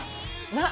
まあ！